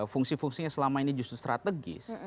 fungsi fungsinya selama ini justru strategis